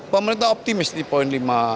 pemerintah optimis di poin lima